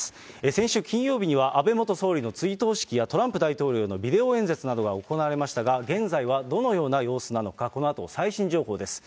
先週金曜日には、安倍元総理の追悼式やトランプ大統領のビデオ演説などが行われましたが、現在はどのような様子なのか、このあと最新情報です。